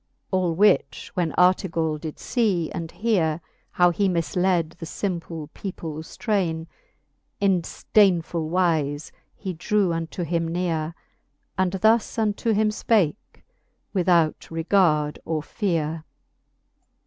All which when Artegall did lee and heare^ How he mii^led the fimple peoples train©, In fdeignfull wize he drew unto him neare, And thus unto him (pake, without regard or feare : XXXIV.